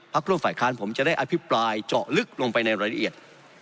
ร่วมฝ่ายค้านผมจะได้อภิปรายเจาะลึกลงไปในรายละเอียด